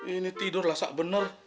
ini tidurlah sak bener